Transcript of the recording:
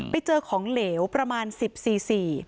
ไปเจอของเหลวประมาณ๑๐ซี